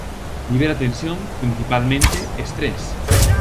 Libera tensión, principalmente, estrés.